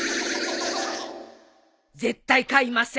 絶対買いません。